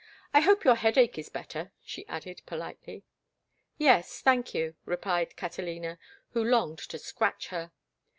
"I hope your headache is better," she added, politely. "Yes, thank you," replied Catalina, who longed to scratch her.